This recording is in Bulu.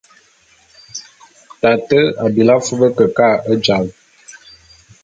Tate a bilí afub kekâ e jāl.